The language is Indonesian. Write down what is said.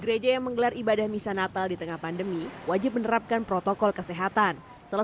gereja yang menggelar ibadah misa natal di tengah pandemi wajib menerapkan protokol kesehatan setelah